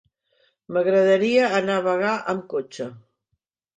M'agradaria anar a Bagà amb cotxe.